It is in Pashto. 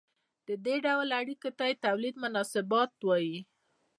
دې ډول اړیکو ته د تولید مناسبات وايي.